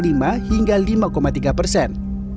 sehingga lima tiga persen